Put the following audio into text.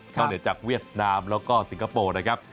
เหนือจากเวียดนามแล้วก็สิงคโปร์นะครับ